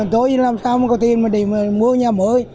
tối giờ làm sao mà có tiền để mua nhà mới